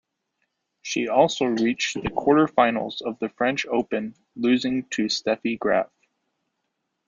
She also reached the quarterfinals of the French Open, losing to Steffi Graf.